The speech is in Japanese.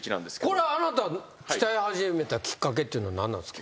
これあなた鍛え始めたきっかけっていうのは何なんですか？